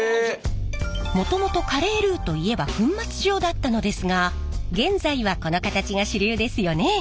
もともとカレールーといえば粉末状だったのですが現在はこの形が主流ですよね？